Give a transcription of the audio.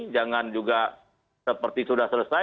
jangan juga seperti sudah selesai